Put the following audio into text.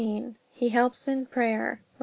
He helps in prayer. Rom.